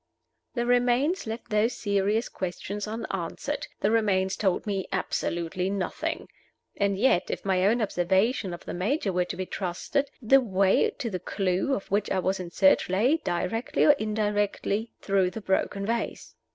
The remains left those serious questions unanswered the remains told me absolutely nothing. And yet, if my own observation of the Major were to be trusted, the way to the clew of which I was in search lay, directly or indirectly, through the broken vase.